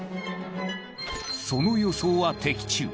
その予想は的中。